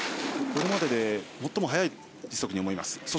これまでで最も速い時速に思います。